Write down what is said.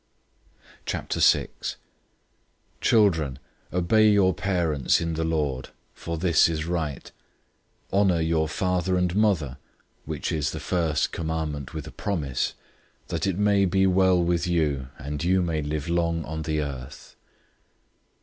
006:001 Children, obey your parents in the Lord, for this is right. 006:002 "Honor your father and mother," which is the first commandment with a promise: 006:003 "that it may be well with you, and you may live long on the earth."